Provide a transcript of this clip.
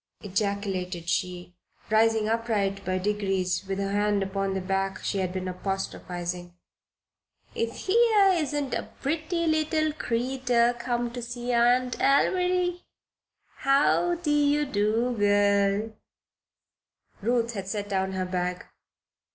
ejaculated she, rising upright by degrees with her hand upon the back she had been apostrophizing. "If here isn't a pretty little creeter come to see her Aunt Alviry. How de do, girl?" Ruth had set down her bag.